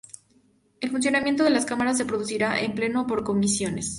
El funcionamiento de las Cámaras se producirá en Pleno o por comisiones.